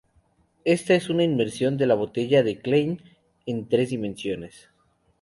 Esta es una inmersión de la botella de Klein en tres dimensiones.